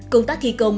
công tác thi công